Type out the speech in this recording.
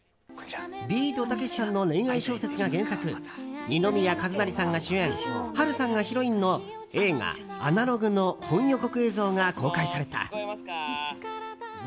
ビートたけしさんの恋愛小説が原作二宮和也さんが主演波瑠さんがヒロインの映画「アナログ」の本予告映像が公開された。